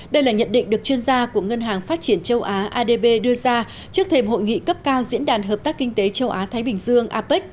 đây là nhận định được chuyên gia của ngân hàng phát triển châu á adb đưa ra trước thềm hội nghị cấp cao diễn đàn hợp tác kinh tế châu á thái bình dương apec